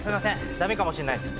ダメかもしれないです。